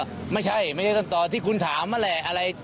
ก็ไม่ใช่ไม่ใช่ก้นตอที่คุณถามนั่นแหละ